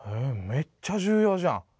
めっちゃ重要じゃん！